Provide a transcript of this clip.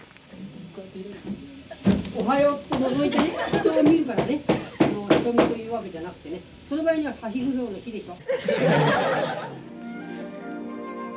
おはようっつってのぞいてね人を見るからねしとみというわけじゃなくてねその場合にははひふへほの「ひ」でしょ。